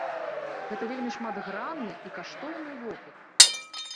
Гэта вельмі шматгранны і каштоўны вопыт.